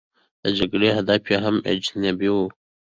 د جګړې هدف یې هم اجنبي دی.